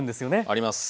あります。